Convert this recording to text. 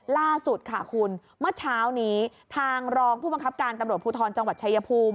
ล่าสุดค่ะคุณเมื่อเช้านี้ทางรองผู้บังคับการตำรวจภูทรจังหวัดชายภูมิ